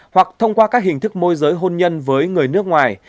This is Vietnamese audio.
hoặc thông qua các hình thức môi giới hôn nhân với người nước ngoài